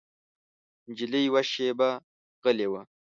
نجلۍ یوه شېبه غلی وه.